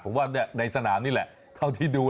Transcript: ผมว่าในสนามนี่แหละเท่าที่ดู